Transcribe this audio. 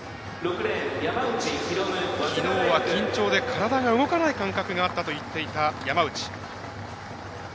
きのうは緊張で体が動かない感覚があったと言っていた山内。